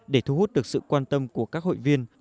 để thu hút được sự quan tâm của các hội viên